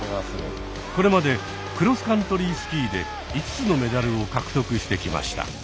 これまでクロスカントリースキーで５つのメダルを獲得してきました。